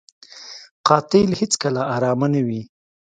قاتل هېڅکله ارامه نه وي